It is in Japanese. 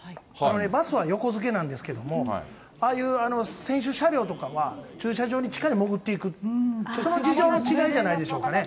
バスは横づけなんですけども、ああいう選手車両とかは、駐車場の地下に潜っていく、その事情の違いじゃないでしょうかね。